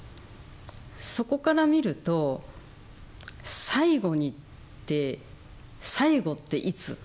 そこから見ると「最後にって最後っていつ？